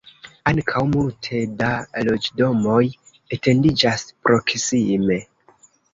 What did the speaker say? Ankaŭ multe da loĝdomoj etendiĝas proksime.